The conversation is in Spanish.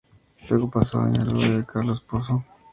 Luego pasó al Doña Lore, de Carlos Pozo.